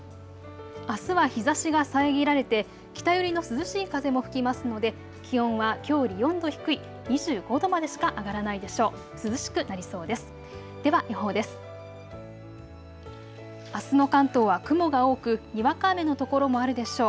あすは日ざしが遮られて北寄りの涼しい風も吹きますので気温はきょうより４度低い２５度までしか上がらないでしょう。